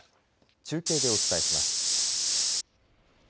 中継でお伝えします。